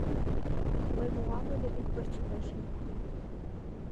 Мый муам ыле ик пырче нӧшмым